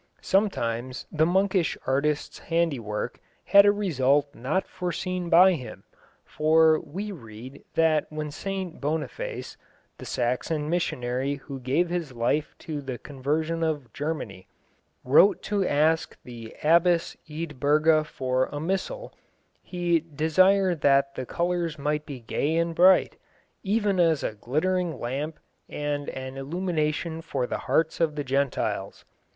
Sometimes the monkish artist's handiwork had a result not foreseen by him, for we read that when St Boniface, the Saxon missionary who gave his life to the conversion of Germany, wrote to ask the Abbess Eadburga for a missal, he desired that the colours might be gay and bright, "even as a glittering lamp and an illumination for the hearts of the Gentiles."